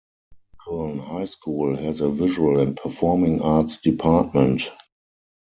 Lincoln High School has a Visual and Performing Arts Department.